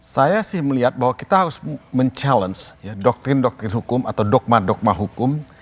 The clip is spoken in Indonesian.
saya sih melihat bahwa kita harus mencabar doktrin doktrin hukum atau dogma dogma hukum